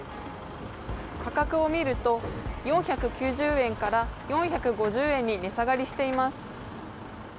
価格を見ると４９０円から４５０円に値下がりしています。